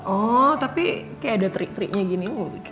oh tapi kayak ada trik triknya gini